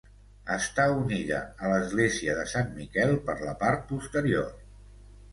Està unida a l'església de Sant Miquel per la part posterior.